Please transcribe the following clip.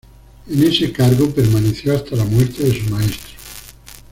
En ese cargo permaneció hasta la muerte de su maestro.